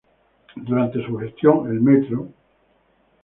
Durante su gestión el Mtro.